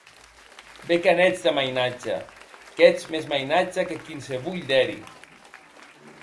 Be que n'ètz de mainatge!, qu'ètz mès mainatge que quinsevolh d'eri!